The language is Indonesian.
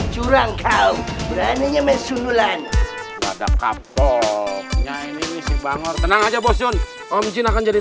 curang kau beraninya mencundulan pada kapoknya ini si bangor tenang aja bosun om jin akan jadi